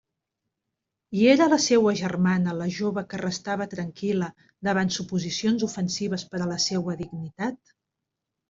I era la seua germana la jove que restava tranquil·la davant suposicions ofensives per a la seua dignitat?